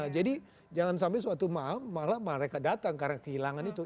jadi jangan sampai suatu malam mereka datang karena kehilangan itu